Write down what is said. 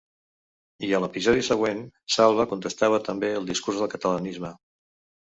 I a l'episodi següent, Salva contestava també al discurs del catalanisme.